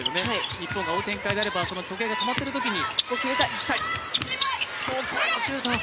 日本が追う展開であれば時計が止まっているときに。